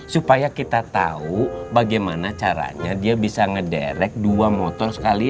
supaya kita tahu bagaimana caranya dia bisa ngederek dua motor sekali